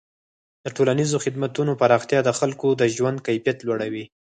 د ټولنیزو خدمتونو پراختیا د خلکو د ژوند کیفیت لوړوي.